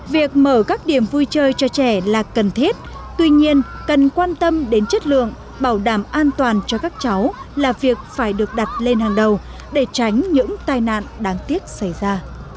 việc mở các điểm vui chơi cho trẻ là cần thiết tuy nhiên cần quan tâm đến chất lượng bảo đảm an toàn cho các cháu là việc phải được đặt lên hàng đầu để tránh những tai nạn đáng tiếc xảy ra